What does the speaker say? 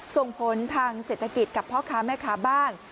ส่งผลทางเศรษฐกิจกับพ่อค้าแม่ค้าบ้าง